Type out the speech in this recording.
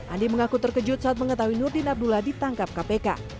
andi mengaku terkejut saat mengetahui nurdin abdullah ditangkap kpk